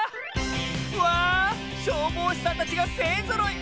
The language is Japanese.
わ消防士さんたちがせいぞろい！